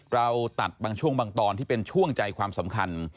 เราตัดบางช่วงบางตอนที่เป็นช่วงใจความสำคัญ